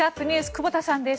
久保田さんです。